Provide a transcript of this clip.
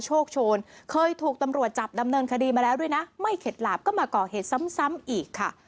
โชคโชนเคยถูกตำรวจจับดำเนินคดีมาแล้วด้วยนะไม่เข็ดหลาบก็มาก่อเหตุซ้ำอีกค่ะ